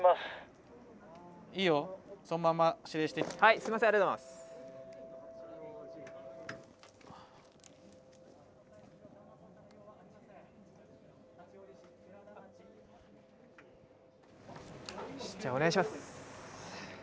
よしじゃあお願いします。